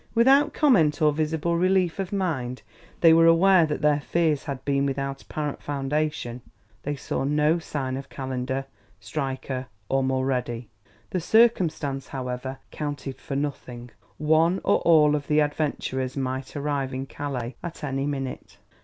Without comment or visible relief of mind they were aware that their fears had been without apparent foundation; they saw no sign of Calendar, Stryker or Mulready. The circumstance, however, counted for nothing; one or all of the adventurers might arrive in Calais at any minute.